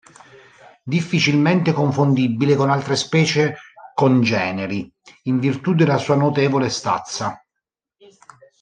Difficilmente confondibile con altre specie congeneri, in virtù della sua notevole stazza.